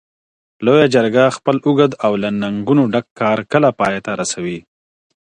لویه جرګه خپل اوږد او له ننګونو ډک کار کله پای ته رسوي؟